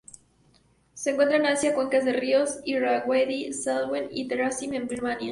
Se encuentran en Asia: cuencas de los ríos Irrawaddy, Salween y Tenasserim en Birmania.